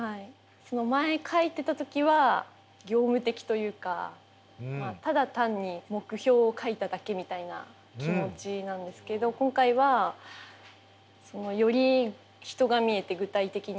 その前書いてた時は業務的というかただ単に目標を書いただけみたいな気持ちなんですけど今回はより人が見えて具体的になって自分の気持ちが入った気がします。